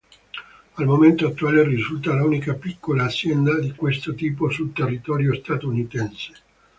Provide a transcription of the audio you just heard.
Al momento attuale risulta l'unica piccola azienda di questo tipo sul territorio statunitense.